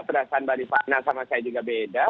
perasaan mbak rifana sama saya juga beda